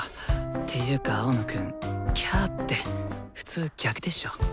ていうか青野くん「きゃ」って普通逆でしょ。